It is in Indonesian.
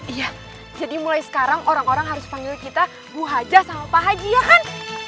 iya jadi mulai sekarang orang orang harus panggil kita bu hajah sama pak haji yaan